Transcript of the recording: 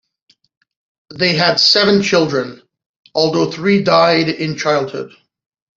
They had seven children, although three died in childhood.